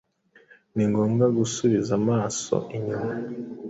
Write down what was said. ni ngombwa gusubiza amaso inyuma